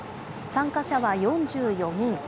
参加者は４４人。